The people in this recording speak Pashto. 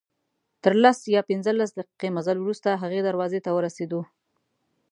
تر لس یا پنځلس دقیقې مزل وروسته هغې دروازې ته ورسېدو.